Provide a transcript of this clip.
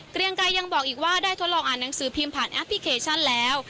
เรียงไกรยังบอกอีกว่าได้ทดลองอ่านหนังสือพิมพ์ผ่านแอปพลิเคชันแล้ว